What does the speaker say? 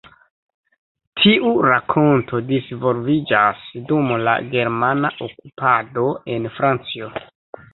Tiu rakonto disvolviĝas dum la germana okupado en Francio.